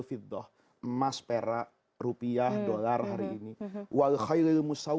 emas pera rupiah dolar hari ini